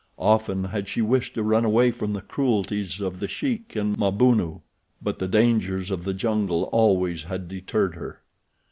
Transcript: Often had she wished to run away from the cruelties of The Sheik and Mabunu; but the dangers of the jungle always had deterred her.